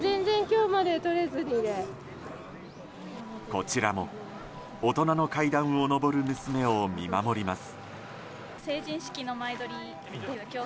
こちらも大人の階段を上る娘を見守ります。